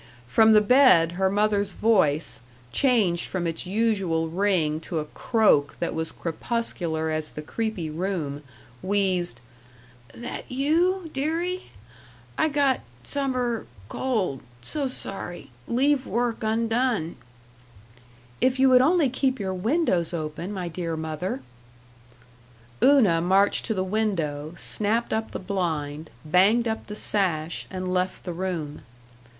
From the bed her mother's voice, changed from its usual ring to a croak that was crepuscular as the creepy room, wheezed: "That you deary? I got summer cold so sorry leave work undone " "If you would only keep your windows open, my dear mother " Una marched to the window, snapped up the blind, banged up the sash, and left the room.